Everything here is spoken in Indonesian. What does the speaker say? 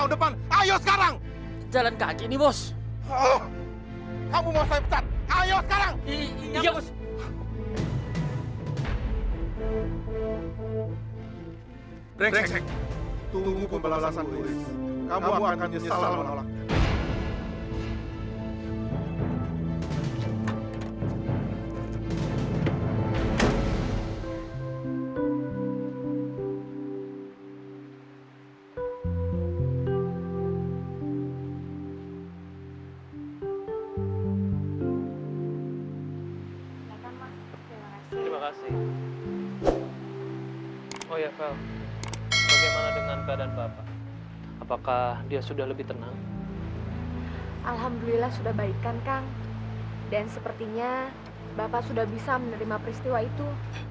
lebih tenang alhamdulillah sudah baik kan kang dan sepertinya bapak sudah bisa menerima peristiwa itu